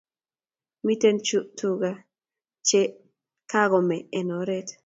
Miten tuka che kakome en oret .